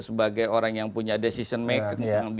sebagai orang yang punya decision making